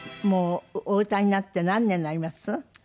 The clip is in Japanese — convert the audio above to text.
もうお歌いになって何年になります？